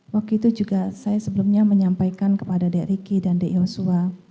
waktu itu juga saya sebelumnya menyampaikan kepada dari ricky dan joshua